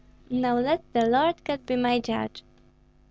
Now let the Lord God be my judge."